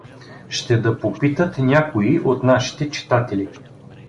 Ще да попитат някои от нашите читатели.